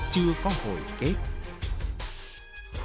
chưa có hồi kết